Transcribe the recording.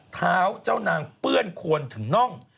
เท้าเจ้านางเปื้อนควรถึงน่อง